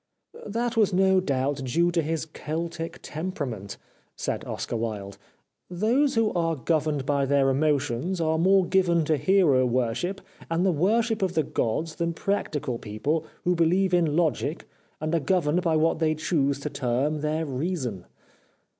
"* That was no doubt due to his Celtic tem perament,' said Oscar Wilde. ' Those who are governed by their emotions are more given to hero worship and the worship of the gods than practical people who believe in logic and are governed by what they choose to term their reason.